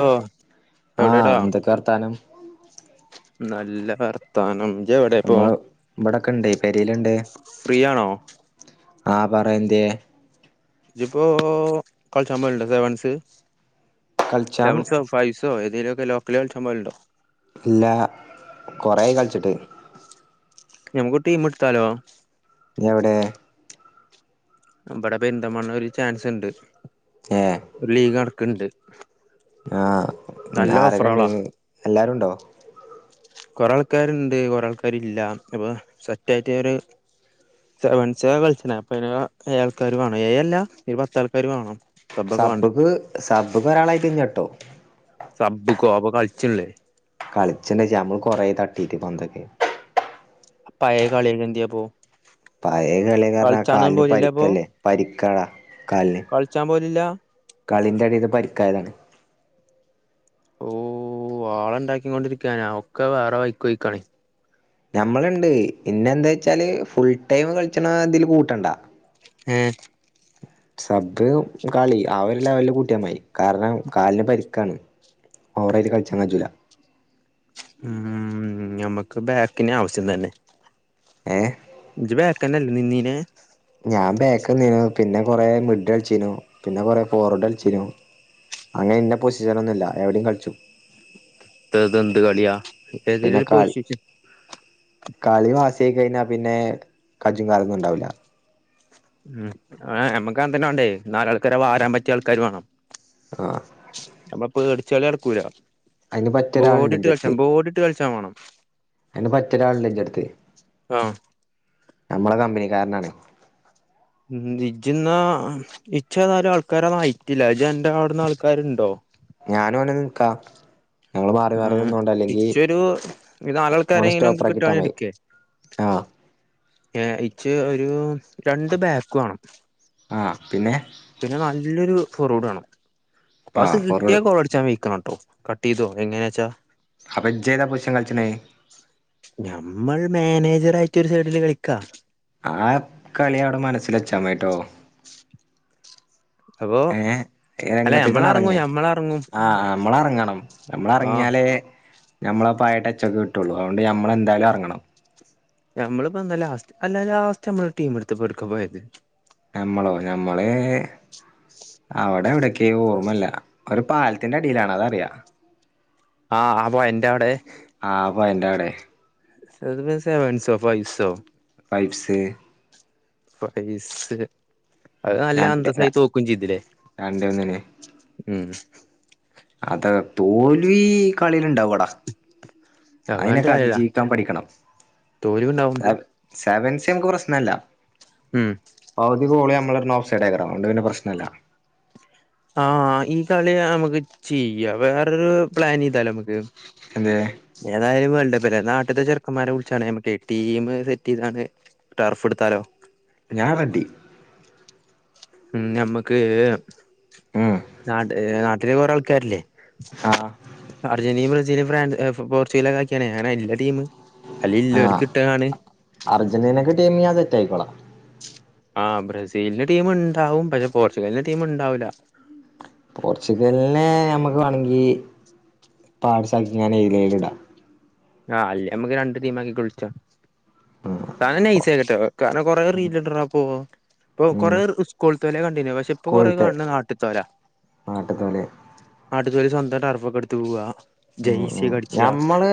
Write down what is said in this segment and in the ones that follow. ഓ എവിടെടാ ആഹ് എന്തൊക്കെ വർത്താനം നല്ല വർത്താനം എവിടെ ഇപ്പോ നമ്മള് ഇവിടൊക്കെ ഇണ്ടേ പെരേലുണ്ടേ ഫ്രീ ആണോ ആഹ് പറേയെന്ത്യേ ജിപ്പോ കളിച്ചാമെരുണ്ടോ സെവൻസ് കളിച്ചാം സെവൻസോ ഫൈവ്സോ ഏതെങ്കിലുമൊക്കെ ലോക്കല് കളിച്ചാം പോരുണ്ടോ? ഇല്ല കൊറെയി കളിച്ചിട്ട് ഞമ്മുക്ക് ടീം എടുത്താലോ നീ വിടെ നമ്മടെ ബന്ന്തമാ ഒരു ചാൻസ് ഉണ്ട് ഏഹ് ഒരു ലീഗ് നടക്ക ഇണ്ട് ആഹ് ആരൊക്കെ ഇണ്ട് ഓഫറോളാ എല്ലാരുംണ്ടോ കൊറെ ആൾക്കാരുണ്ട് കൊറെ ആൾക്കാര് ഇല്ല അപ്പൊ സെറ്റ് ആയിട്ട ഒരു സെവൻസ് കളിച്ച അപ്പൊ അ ഏ ആൾക്കാർ വേണം ഏഴ് അല്ല ഒരു പത്താൾക്കാര് വേണം സബ്ബൊക്കെ വേണ്ടേ സബ്ബക്ക് സബ്ബക് ഒരാളായി നിർത്തും സബുക്കോ [unintelligible] കളിച്ചില്ലേ കളിച്ചണ്ടച്ച നമ്മള് കുറെ തട്ടീട്ട് പന്തൊക്കെ പഴയ കളിയൊക്കെ എന്തിയേ അപ്പോ അതേ കളി കാരണം കളിച്ചാനൊന്നും കാലിന് പോലില്ല അപ്പോ പരിക്കല്ലേ പരിക്കടാ കലിന് കളിച്ചാൻ പോലില്ല കളിന്റെ ഇടേന്ന് പരിക്കാല്ലേ ഓ വാള ഇണ്ടാക്കൊണ്ടിരിക്കാനാ ഒക്കെ വേറെ വൈക്കോയിക്കണ ഞമ്മളുണ്ട് പിന്നെ എന്താ വച്ചാല് ഫുൾടൈം കളിച്ചണ ഇതില് കൂട്ടണ്ട ഏഹ് സബ് കളി ആ ഒരു ലെവലില് കൂട്ടിയമായി കാരണം കാലിന് പരിക്കാണ്. ഓറൈൽ കൾ ചങ്ങാ ജല ഉം നമ്മക്ക് ബാക്കിന ആവശ്യം തന്നെ ഏ ബയാക്കനല്ല നിന്നീനെ ഞാൻ ബാക്ക നി പിന്നെ കൊറെ മിഡിൽ അളിച്ചീനു പിന്നെ കൊറ ഫോർവേഡ് അലിച്ചനു അങ്ങനെ ഇന്ന പൊസിഷനൊന്നുമില്ല എവിടയും കളിച്ചു ഇത്ന്ത് കളിയാ ഏതി പിന്നെ പോ കാൽ വിശേഷ കളി മാസ ആ കഴിഞ്ഞാ പിന്നെ കജും കാലൊന്നും ഉണ്ടാവില്ല ഉ ആ നമ്മുക്ക് തന്നെ വണ്ടേ നാലാൾക്കാര വാരാൻ പറ്റിയ ആൾക്കാാര് വേണം ആ കടിച്ചാലേ ഇറക്കൂരാ അയിന് പറ്റിയ ഒരാളുണ്ട് ബോഡി ഇട്ട് കളിച്ചാ ബോഡി ഇട്ട് കളിച്ചാൽ വേണം അന് പറ്റൊരാളണ്ട് എന്റെ അടുത്ത് ആഹ നമ്മളെ കമ്പനിക്കാരനാണേ ഉ നിജിന്ന നിച്ചതാലും ആൾക്കാരത് നയിറ്റില്ലജ എൻന്റെറെ അവിടുന്ന് ആൾക്കാരുണ്ടോ ഞാന ഓനെ നിൽക്കാ ആ ഇച്ചൊരു ഇത് ഓനെ ആളുകൾക്കാരങ്കിലുംക്ക് സ്റ്റോപ്പറാക്കി ഇട്ടാ കിട്ടവാണെങ്ക മതി എടുക്കേ ആ ഏ ഇച്ച് ഒരു രണ്ട് ബാക്ക് വേണം ആ പിന്നെ പിന്നെ നല്ലൊരു ഫോർറോഡ് വേണം അപ്പ ആ അത് കിട്ടിയാൽ ഫോർവേഡ് കുറ അടിച്ച് ഞാൻ വിക്കണണ്ട് ട്ടോ കട്ട് ചെയ്തോ എങ്ങനാച്ചാ അപ്പ ജേതാ പുശൻ കളിച്ചണേ ഞമ്മൾ മാനേജർ ആയിട്ട് ഒരു സൈഡില് കളിക്കാ ചമയ്റ്റോ അപ്പൊ ഏ അല്ല രംഗത്തക്കാണ് ഞമ്മളെറങ്ങും ഇറങ്ങേ ഞമ്മളെറങ്ങും ആഹ നമ്മള ഇറങ്ങാം ഉം നമ്മള ആഹ് ഇറങ്ങിയാലേ ഞമ്മള പയടച്ചക്കെ കിട്ടുള്ളു അതുകൊണ്ട് ഞമ്മളെന്തായാലും ഇറങ്ങണം നമ്മള്പ്പന്ത ലാസ്റ്റ് അല്ല ലാസ്റ്റ് നമ്മള് ടീമെടുത്ത് എവിടുക്ക പോയത് മ്മളോ ഞമ്മള അവിടെ എവിടെക്ക ഓർമ്മല്ല ഒരു പാലത്തിന്റെ അടിയിലാണ് അതറിയ ആഹ് അപ്പൊ അന്റെ അവിടെ വയനാട് സെവൻസോ ഫൈവ് സോ വൈഫ്സ് പപ്നീസ്സ് അത് നല്ല രണ്ട് അന്തസായി തോക്കുകയും ചെയ്തില്ലേ രണ്ടേ ഉം അത് തോൽവി കളില്ണ്ടാവുടാ അയിനൊക്കെ അതിജീവിക്കാൻ പഠിക്കണം തോലുംണ്ടാവും സെവൻസി നമ്മുക്ക് പ്രശ്നല്ല ഉം ബാക്കി കോളു നമ്മള നോ സൈഡ് അതോണ്ട് പ്രശ്നമില്ല ആ ഈ കളിയ നമ്മുക്ക് ചെയ്യാം വേറരു പ്ലാൻ ചെയ്താല നമ്മുക്ക് എന്ത് [unintelligible] ഏതായാലും വേണ്ട നാട്ടത്തെ ചെറുകന്മാരെ വിളിച്ചാട് ടീം സെറ്റ് ചെയ്താണ് ടർഫ് എടുത്താലോ ഞാൻ റെഡി ഉം നമ്മക്ക് ഉം നാട്ട് നാട്ടിലെ കുറെേ ആൾക്കാരല്ലേ ആഹ് അർജന്റീന ബ്രസീലിയും ഫ്രാൻസ്എ പോർച്ചുഗലൊ ഒക്കെ ആക്കിയാണ് ഞനെ എല്ലാ ടീമ് ആഹ അർജന്റീനക്ക് ടീമ് ഞാൻ സെറ്റായിക്കോളാം ആഹ് ബ്രസീലിന്റെ ടീം ഇണ്ടാവും പക്ഷെ പോർച്ചുഗലിന്റെ ടീമ ഉണ്ടാവൂല്ല പോർച്ചുഗലിനെ നമ്മുക്ക് വേണെങ്കി പാഠ്സാക്കി ഞാൻ ലയില ഇടാ ആഹ് അല്ല നമ്മുക്ക് രണ്ടു ടീ ആക്കി കുളിച്ച സാധ ഐസ ആക്കട്ടോ കാരണം കൊറെ റീലിണ്ടരോ അപ്പൊ ഇപ്പൊ കൊറ ഉം സ്കൂളിൽ തോലെ കണ്ടിന് പക്ഷെ ഇപ്പൊ കൊറേ കാണ് നാട്ടിൽത്തോല എന്താല്ലേ അച്ചല സ്വന്തം റഫൊക്കെടുത്ത് പോവാ ഉം ജസീ ഉം അടിക്ക ഞമ്മള്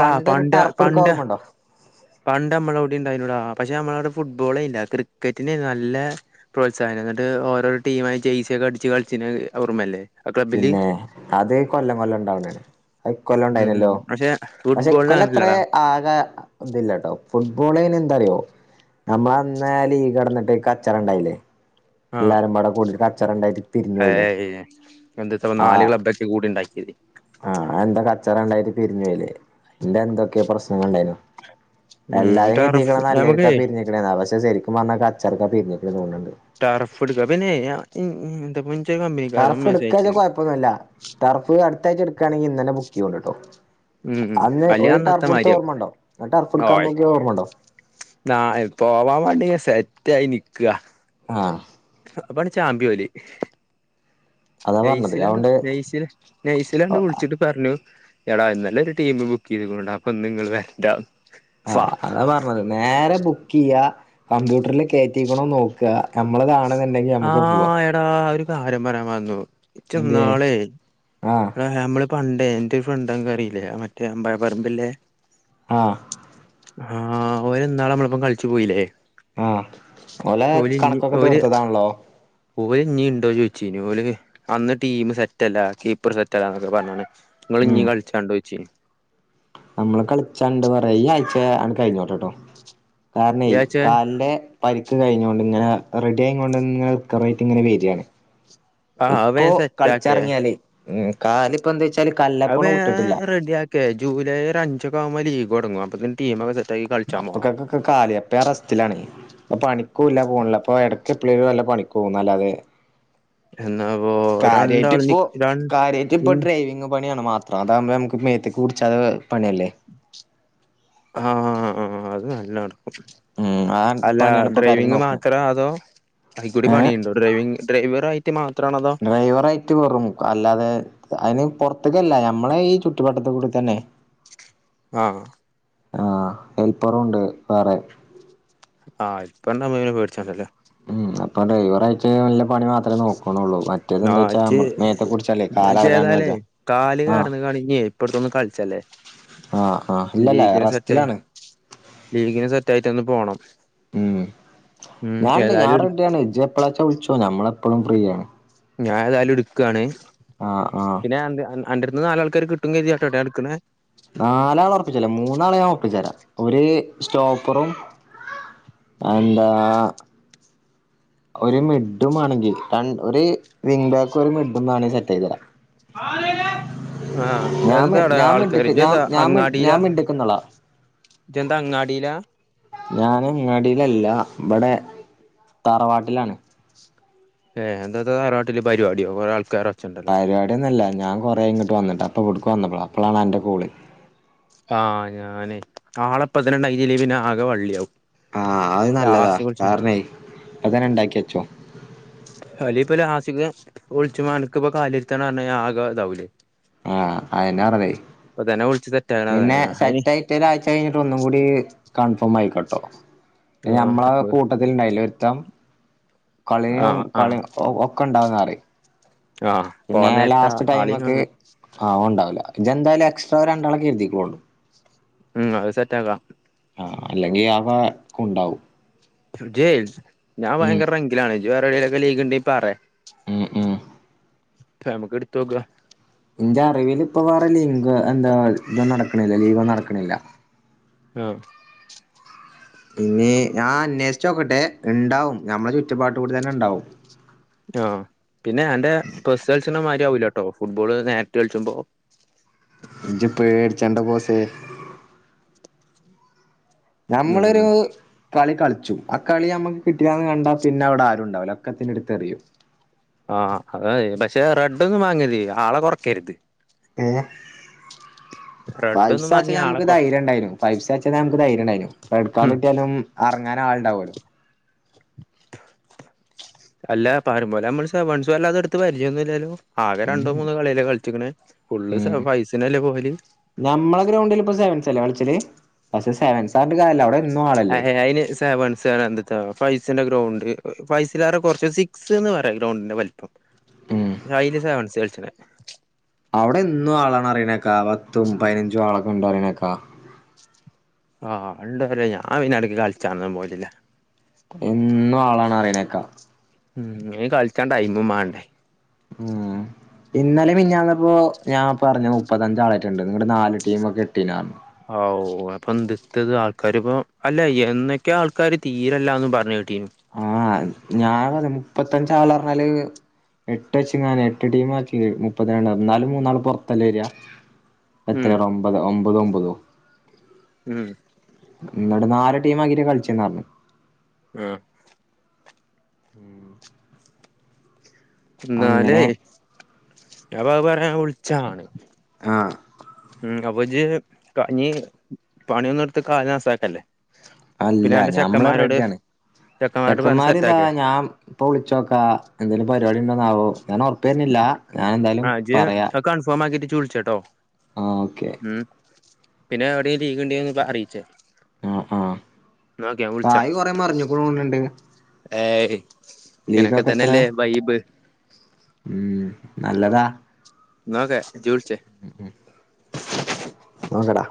പണ്ടൊരു ടർഫ് എടുക്കാ പണ്ട് ഓർമ്മണ്ടോ പണ്ട് നമ്മള് ഇണ്ടായിരുന്നടാ പക്ഷെ നമ്മളവിട ഫുട്ബോളില്ല ക്രിക്കറ്റിനെ നല്ല പ്രോത്സാഹനം എന്നിട്ട് ഓരോ ടീ ടീ ആ ച്സ ഒക്കെ അടിച്ച് കളിച്ചിന് ഓർമ്മല്ലേ ആ ക്ലബ്ബില് പിന്നെ അത് കൊല്ലം കൊല്ലം ഇണ്ടാവന്നാണ് അത് ഇ കൊല്ലം ഉം ഉം ഉണ്ടായിനല്ലോ പക്ഷെ പക്ഷെ ഫുട്ബോളിന് ഇകൊല്ലത്ര അങ്ങനെല്ലടാ ആകെ ഇത് ല്ലട്ടോ ഫുട്ബോളിന് എന്തറിയോ നമ്മൾ വന്നാല് ഈ കിടന്നിട്ട് കച്ചറ ഉണ്ടായില്ലേ ആഹ് എല്ലാരും ഇവിടെ കൂടീട്ട് കച്ചറുണ്ടായിട്ട് തിരിഞ്ഞു പോയില്ലേ ഏയ് എന്ത്‌ത്താ ആ നാല് ക്ലബ്ബൊക്കെ കൂടി ഉണ്ടാക്കിയത് ആഹ എന്താ കച്ചറണ്ടായിട്ട് പിരിഞ്ഞു പോയില്ലേ എല്ല എന്തൊക്കെ പ്രശ്നങ്ങളുണ്ടായിരുന്നു ഉം എല്ലാരും ടർഫ് കിട്ടയിക്കണം നല്ലൊരിക്കാ നമുക്കേ പിരിഞ്ഞിക്കണന്നാ പക്ഷെ ശരിക്കും പറന്നാ കച്ചറക്കാ പിരിഞ്ഞിക്കണ തോന്നുന്നുണ്ട് ടറഫ് എടുക്ക പിന്നെ ഇ ഇന്ത ടർഫ് എടുക്കുകച്ച കൊഴപ്പൊന്നുമ ഇല്ല ടർഫ് അടുത്താഴ്ച എടുക്കുകയാണെങ്കി ഇന്ന തന്നെ ബുക്ക് ചെയ കൊണ്ടണ്ടിട്ടോ ഉം ഉം അന്ന് അല്ലെ ഒരു അന്നത്തെ ടർഫ് എടുത്ത് മാരിയാവും ഓർമ്മ ഉണ്ടോ ടർഫ് എടുക്കാൻ നോക്കിയ ഓർമ്മുണ്ടോ നാ പോവാൻ വേണ്ടി സെറ്റ ആയി നിക്ക ആ അപ്പാണ് ചാമ്പിവലി അതാ പറഞ്ഞത് ന്സിലണ്ട് അതുകൊണ്ട് നെയ്സില നെയ്സിലാണ്ട് വിളിച്ചിട്ട് പറഞ്ഞു എടാ നല്ലൊരു ടീം ബുക്ക് ചെയ്തണ്ട അപ്പൊ നിങ്ങങ്ങള് വരണ്ട ആ അതാ പറഞ്ഞത് നേരെ ബുക്ക് ചെയ്യാ കമ്പ്യൂട്ടറില് കേയറ്റിക്കണോ നോക്കുക നമ്മളതാണ് ആഹ എടാ ഒരു ആരംഭരാമായിന്ന ഇച്ച എന്തേ നാളെ ആഹ് നമ്മള് ഫണ്ടേ എന്റെ ഒരു ഫ്രണ്ട് അറിയില്ലേ മറ്റേ അമ്പയപറമ്പില്ലേ ആഹ് ആഹ് ഓൻ നാള നമ്മളപ്പം കളിച്ചു പോയില്ലേ ആഹ് ഓലെ ഓല് ഇഞ്ഞി കണക്കൊക്കെ ഓല് തീർത്തതാണല്ലോ ഓല് ഇനീം ഉണ്ടോ ചോദിച്ചി ഇനില് അന്ന് ടീം സെറ്റ് അല്ല കീപ്പർ സെറ്റ് അല്ല എന്നൊക്കെ പറഞ്ഞാണ് നിങ്ങളിഞ്ഞീ ഉം കളിച്ചാണ്ടോ ചോച്ചി അ കഴിഞ്ഞോട്ടെട്ടോ കാരണം ഈ ഇയ്യാച്ചേ കാലിന്റെ പറി കഴിഞ്ഞണ്ട് ഇങ്ങനെ റെഡി ആയണ്ട്ങ്ങറട്ട് ഇെ വരിയാണ് ആഹ് അത് ഇപ്പൊ വേഗം സെറ്റ് ആക്കേ കളിച്ചറങ്ങിയാല് കാലിപ്പോ എന്താ വച്ചാല് കല്ലപ്പണ് വിട്ടിട്ടില്ല ഓക്ക ജൂലൈ ഒരഞ്ജവുംബോ ലീഗ്ടങ്ങ അപ്പതിന് ടീമൊക്കെ സെറ്റ്, ആക്കി കളിച്ചാൻ പോണം അപ്പക്കക്കൊക്കെ കാല അപ്പ റസ്റ്റിലാ ണ് അപ്പ പണിക്കൂല്ല പോണില്ല അപ്പൊ ഇടക്ക് വല്ല പണിക്ക് പോകുന്നുല്ലാതെ എന്നാപ്പോ കാര്യമായിട്ട രണ്ടാൾ നി ഇപ്പ രണ്ട് കാര്യായിട്ട് ഇപ്പൊ ഡ്രൈവിങ് പണിയാണ് മാത്ര അതാകുമ്പോ നമുക്ക് മേത്തക്ക് പുടിച്ചതാ ആഹ് അത് നല്ലാണ് ഉം ആ അല്ല പണിയാണ് ഇപ്പൊ കാര്യായിട്ട് ഡ്രൈവിങ് നോക്കണെ മാത്ര അതോ അയിക്കൂടി പണിയുണ്ടോ ഡ്രൈവിങ് ഡ്രൈവർ ആയി മാ ഡ്രൈവർ ആയിട്ട് കൊറും അല്ലാതെ അതിന് പുറത്തക്കല്ല ഞമ്മളെ ഈ ചുറ്റപട്ടത്തെ കൂടി തന്നെ ആഹ് ആഹ് ഹേൽപ്പറുണ്ട് വേറെ ആ ഇപ്പ എന്താ മീനെ പേടിച്ചണ്ടല്ലേ ഉം അപ്പൊ ഒരാഴ്ചല്ല പണി മാത്രമേ നോക്കണള്ളൂ മറ്റേതെന്താ ആഹ് വെച്ച ഇജ്ജ് നമ്മ മനേത്തെ കുറിച്ചല്ലേ കാല അളകാൻന്ന് വെച്ചാ ആ ണ ഇപ്പട്ത്തൊന്നും കളിച്ചല്ലേ ആഹ് ആഹ് ഇല്ലല്ല ലീഗിന് സെറ്റായി റസ്റ്റിലാണ് ലീഗിന് സെറ്റ് ആയിട്ട് ഒന്ന് പോണം ഉം ഉം ഞാൻണ്ട് ഏതായാലും ഒരു ഞാറെഡി ആണ് ഇജ്ജ് എപ്പളാച്ചാ വിളിച്ചോ ഞമ്മള് എപ്പളും ഫ്രീയാണ് ഞാൻ ഏതായാലും ഇട്ക്കാണ് ആഹ് ആഹ് അണ്ടട്തുന്ന് നാലാൾക്കാര കിട്ടും കര്തിയാട്ടൊ ഞാൻ ഇട്ക്ണെ നാലാളെ ഉറപ്പിച്ചല്ലെ മൂന്നാളെ ഞാൻ ഉറപ്പിച്ചരാ ഒരു സ്റ്റോപ്പറും എന്താ ഒരു മിഡും മാണെങ്കിൽ ര ഒര് വിങ് ബാക്കും ഒരു മിഡും വേണെങ്കിൽ സെറ്റ് ആക്കി തരാം ആനേ ആഹ് ഞാ മി എന്താടാ ഞാ ആൾക്കാര് മിഡ്‌ക് ഞ ഇജ്ജെന്താ ഞാ ഞാ അങ്ങാടിയിലാ മിഡ്‌ക്ക് ന്നോളാ ഇജ്ജെന്താ അങ്ങാടീലാ ഞാന് അങ്ങാടീലല്ല ഇവിടെ താറവാട്ടിലാണ് ഏഹ് ഇന്നന്താ തറവാട്ടില് പരിപാടിയോ കുറെ ആൾക്കാരൊ പരിപാടിയൊന്നും അല്ല. ഞാൻ കൊറെ ആയി ഇങ്ങട്ട് വന്നിട്ട്. അപ്പൊ ഇവിടുക്ക് വന്നുക്കുണു. അപ്പളാണ് അന്റെ കോളെ ആഹ് ഞാനേ ആളെ ഇപ്പതന്നെ ഇണ്ടാക്കീട്ടില്ലെങ്കിൽ പിന്നെ ആകെ വള്ളിയാവും ആഹ് അത് നല്ലതാ ലാസ്റ്റ് വിളിച്ചാലേ കാരണെ ഇപ്പത്തന്നെ ഇണ്ടാക്കി വച്ചോ അല്ലെ ഇപ്പ ലാസിക് വിൾച്ചുമ്പൻക്ക് ഇപ്പൊ കാലര്ത്താന്ന് പറഞ്ഞ യിഞാ ആകെ ഇതാവൂലേ ആഹ് അയന്നാ പറഞ്ഞത് ഇപ്പൊ തന്നെ വിളിച്ച് സെറ്റാക്കണ പിന്നെ അതാണ് അയിന് സെറ്റ് ആയിട്ട് ഒരാഴ്ച കഴിഞ്ഞിട്ട് ഒന്നും കൂടി കൺഫോം ആയിക്കോട്ടോ ആഹ് ഞമ്മളെ കൂട്ടത്തിലുണ്ടായില്ലെ ഒരുത്തം കളിയും ആഹ് ആഹ് കളി ഒക്കെ ഇണ്ടാവുംന്നറി ആഹ് പിന്നെ പോവാൻ നേരത്താ ലാസ്റ്റ് ആളീം ടൈമ്ക്ക് കാണൂല ആ ഓൻണ്ടാവൂല ഇജ്ജെന്തായാലും എക്സ്ട്രാ ഒര് രണ്ടാളെ കരുതിക്കോണ്ടു ഉം അത് സെറ്റ് ആക്കാ ആ അല്ലെങ്കി [unintelligible] കുണ്ടാവും ഇജ്ജെ ഞാൻ ഉം ഭയങ്കര റെങ്കിലാണ്. ഇജ്ജ് വേറെ [unintelligible] ലീഗിണ്ടേ പറേ ഉം ഉം നമുക്ക് ഇട്ത്തോക്കാ ഇന്റെ അറിവിൽ ഇപ്പ വേറെ ലീഗ് എന്താ ഇത് നടക്ണില്ല ലീഗൊന്നും നടക്ണില്ല ആ ഇഞ് ഞാൻ അന്വേഷിച്ച് നോക്കട്ടെ ഇണ്ടാവും ഞമ്മെ ചുറ്റുപാട്ട് കൂടി തന്നെ ഇണ്ടാവും ട്ടൊ. പിന്നെ അന്റെ [unintelligible] മാതിരി ആവൂലട്ടോ ഫുട്ബോള് നേരിട്ട് കളിച്ച്മ്പോ ഇജ്ജ് പേടിച്ചെണ്ട ബോസെ നമ്മളൊരു ഉം കളി കൾ ച്ചും. ആ കളി നമ്മക്ക് കിട്ടിയില്ലാന്ന് കണ്ടാ പിന്നെ അവിടെ ആരും ഇണ്ടാവൂല ഒക്കെത്തിനെ ഇട്ത്ത് എറിയും ആ അതാ. [unintelligible] പക്ഷെ റെഡ് ഒന്നും വാങ്ങല്ലി ആളെ കൊറക്കര്ത് ഏഹ് റെഡ് ഒന്നും ഫൈവ്സാച്ചാ വാങ്ങിയ ആളെ നമുക്ക് കൊറ ധൈര്യം ഇണ്ടായിര്ന്നു ഫൈവ്സാച്ച ധൈര്യണ്ടായ്നു. റെഡ് കാർഡ് ഉം കിട്ടിയാലും എറങ്ങാൻ ആളുണ്ടാവല്ലോ അല്ല പറയും പോലെ നമ്മൾ സവൻസു വല്ലാതെ ഇട്ത്ത് പരിചയൊന്നുല്ലല്ലോ ആകെ രണ്ടോ ഉം മൂന്നോ കളിയല്ലേ കളിച്ച്ക്ക്ണ് ഫുള്ള് സെ ഉം ഫൈവ്സിനല്ലേ പോവല് ചെല്ലെ കളിച്ചല് പക്ഷെ സെവൻസാ ർഞ്ഞിട്ട് കാര്യല്ല അവ്ടെ ഏ അയിന് സെവൻസർഞ്ഞാ എന്ത്ത്ത ഫൈവ്സ് ൻ്റെ ഗ്രൗണ്ട് ഫൈവ്സ്‌ലേറെ കൊർച്ച് സിക്സ് ന്ന് പറയാ ഗ്രൗണ്ടിന്റെ വല് പ്പം. ഉം അയില് സെവൻസി കൾച്ചിണെ അവിടെന്നും ആളാണ് പറിണേക്കാ പത്തും പതിനഞ്ചും ആളൊക്കെ ഉണ്ട് പറിണേക്കാ ആഹ് ഉണ്ടോ ലോ. ഞാൻ പിന്നെ അട്ക്ക് കളിച്ചാനൊന്നും പോയിട്ടില്ല എന്നും ആളാണ് പറിണേക്കാ ഉം അയ്ന് കൾച്ചാൻ ടൈമും മാണ്ടേ ഉം ഇന്നലെ മിഞ്ഞാന്നപ്പോ ഞാൻ പറഞ്ഞ് മുപ്പത്തഞ്ച് ആളെറ്റണ്ട് നിങ്ങ നാല് ടീമ കിട്ടിയിലാനേ ആവൂ ഇപ്പൊ ദത്തത് ആൾക്കാര് ഇപ്പ അല്ല എന്നൊക്കെ ആൾക്കാര് തീരെല്ലന്ന് പറഞ്ഞ് കേട്ടീന്ന് ആഹ്‌ ഞാൻ പറ മുപ്പത്തഞ്ച് ആളെ പറഞ്ഞാലെ എട്ട് വെച്ച്ങ്ങാൻ എട്ട് ടീം ആക്കി മുപ്പത്തിരണ്ട് എന്നാലും മൂന്നാള് പുറത്തല്ലേ വരാ ഉം എത്രയ ഒമ്പത് ഒമ്പതും ഒമ്പതോ ഉം ന്നിട്ട് നാല് ടീം ആകീട്ട് കളിച്ചെന്ന് പറഞ്ഞു ആഹ്‌ എന്നാലേ അങ്ങനെ ഞാപ്പ അത് പറയാൻ വിളിച്ചാണ് ആഹ്‌ അപ്പൊ ജ്ജ് ഞ് പണിയൊന്നും എടുത്തു കാല് നാസാക്കല്ലേ അല്ല പിന്നെ അന്റെ ഞമ്മള് ചെക്കന്മാരോട് റെഡിയാണ് ചെക്കന്മാരോട് പറഞ്ഞ് ചെക്കന്മാരിതാ സെറ്റാക്ക് ഞാൻ ഇപ്പൊ വിളിച്ചോക്കാ എന്തേലും പരിപാടി ണ്ടോന്നാവോ ഞാനൊർപ്പെര്നില്ല ആ ജ്ജ് ആ കൺഫേമാക്കിട്ട് ച്ച് വിളിച്ചാട്ടോ ആഹ് ഓക്കെ ഉം പിന്നെ എവിടേം ലീഗ്ണ്ടെ ന്ന് അറിയിച്ച് ആഹ വിളിച്ചാ കായ് കൊറെ മറിഞ്ഞ്ക്ക്ണു തോണ് ണ്ട് ഏയ് ഇങ്ങനൊക്കെ തന്നല്ലേ വൈബ് ഉം നല്ലതാ ന്നാ ഓക്കെ ജ്ജ് വിളിച്ച് മങ്കടാ